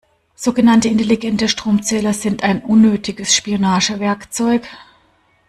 Sogenannte intelligente Stromzähler sind ein unnötiges Spionagewerkzeug.